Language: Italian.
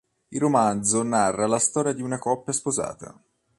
Il romanzo narra la storia di una coppia sposata.